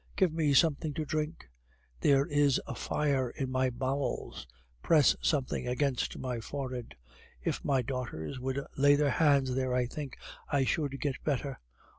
Give me something to drink! There is a fire in my bowels. Press something against my forehead! If my daughters would lay their hands there, I think I should get better.